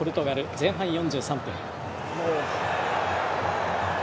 前半４３分。